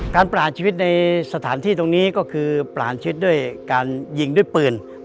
ประหลาดชีวิตในสถานที่ตรงนี้ก็คือประหารชีวิตด้วยการยิงด้วยปืน